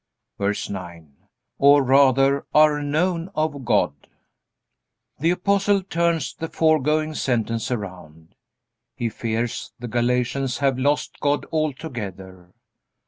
VERSE 9. Or rather are known of God. The Apostle turns the foregoing sentence around. He fears the Galatians have lost God altogether.